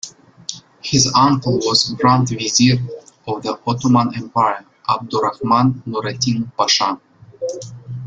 His uncle was Grand Vizier of the Ottoman Empire, Abdurrahman Nurettin Pasha.